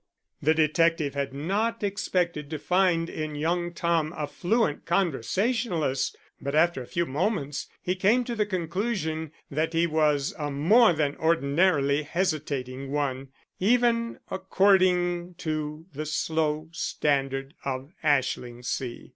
The detective had not expected to find in young Tom a fluent conversationalist, but after a few moments he came to the conclusion that he was a more than ordinarily hesitating one, even according to the slow standard of Ashlingsea.